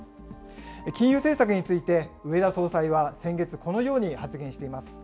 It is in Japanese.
金融政策について、植田総裁は先月、このように発言しています。